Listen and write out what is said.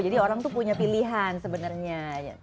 jadi orang tuh punya pilihan sebenarnya